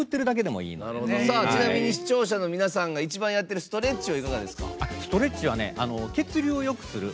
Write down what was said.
ちなみに視聴者の皆さんが一番やってるストレッチはどうですか？